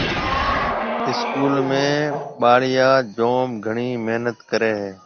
اسڪول ۾ ٻاݪيا جوم گھڻِي محنت ڪريَ هيَ۔